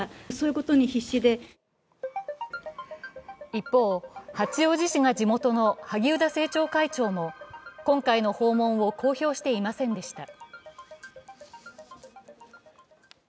一方、八王子市が地元の萩生田政調会長も今回の訪問を公表していませんでした。